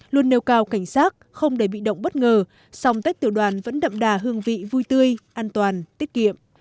câu cao cảnh sát không để bị động bất ngờ song tết tiểu đoàn vẫn đậm đà hương vị vui tươi an toàn tiết kiệm